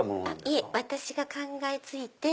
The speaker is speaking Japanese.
いえ私が考えついて。